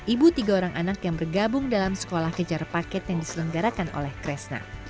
ibu tiga orang anak yang bergabung dalam sekolah kejar paket yang diselenggarakan oleh kresna